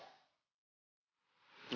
yang selalu lo bela belain itu